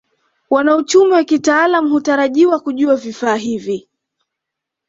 Wanauchumi wa kitaalamu hutarajiwa kujua vifaa hivi